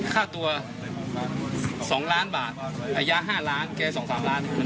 ค่าตัว๒ล้านบาทระยะ๕ล้านแก๒๓ล้าน